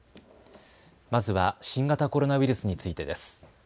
まずは新型コロナウイルスについてです。